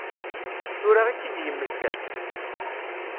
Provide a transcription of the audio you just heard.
Tura i tt-id-yemmekta?